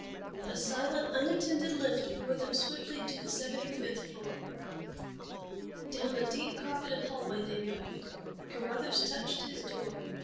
A silent, unattended lift bore them swiftly to the seventy fifth floor. Down a deep carpeted hallway they moved. Carruthers touched his door.